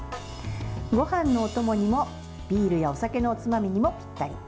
ごはんのお供にも、ビールやお酒のおつまみにもぴったり。